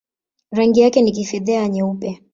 Rangi yake ni kifedha-nyeupe.